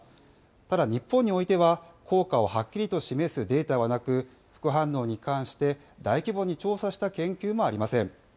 ただ、日本においては、効果をはっきりと示すデータはなく、副反応に関して大規模に調査した研究もありません。